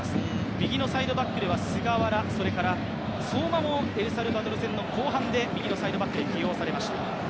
右のサイドバックでは菅原、相馬もエルサルバドル戦の後半で右のサイドバックで起用されました。